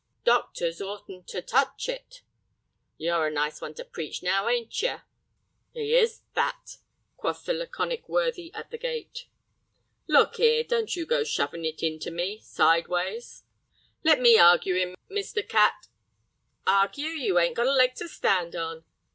"Doct'rs oughtn't ter touch it." "You're a nice one to preach, now, ain't yer?" "He is that," quoth the laconic worthy at the gate. "Look 'ere, don't you go shovin' it into me—sideways." "Let me argue 'im, Mr. Catt." "Argue, you 'ain't got a leg to stand on!"